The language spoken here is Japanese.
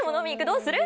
どうする？